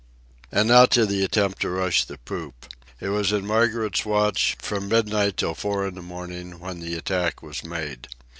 And now to the attempt to rush the poop. It was in Margaret's watch, from midnight till four in the morning, when the attack was made.